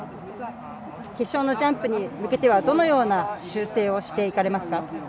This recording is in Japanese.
決勝のジャンプに向けてはどのような修正をしていかれますか？